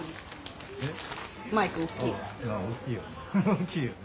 大きいよね。